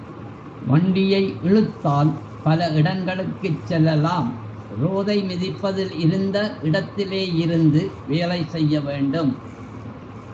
வண்டியை இழுத்தால் பல இடங்களுக்குச் செல்லலாம் ரோதை மிதிப்பதில் இருந்த இடத்திலேயேயிருந்து வேலை செய்ய வேண்டும்.